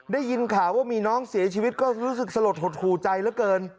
ได้ยินข่าวว่ามีน้องเสียชีวิตก็รู้สึกสลดหดหูใจเหลือเกิน